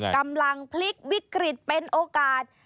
กำลังพลิกวิกฤตเป็นโอกาส